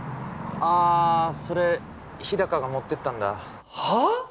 あそれ日高が持ってったんだはっ！？